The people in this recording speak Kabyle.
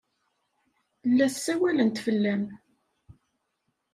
La ssawalent fell-am.